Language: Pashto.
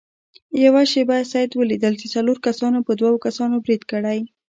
یوه شپه سید ولیدل چې څلورو کسانو په دوو کسانو برید کړی.